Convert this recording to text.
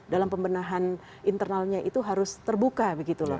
dalam pembenahan internalnya itu harus terbuka begitu loh